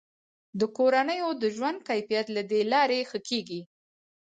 د کورنیو د ژوند کیفیت له دې لارې ښه کیږي.